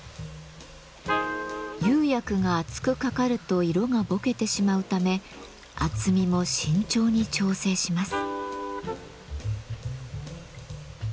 釉薬が厚くかかると色がぼけてしまうため厚みも慎重に調整します。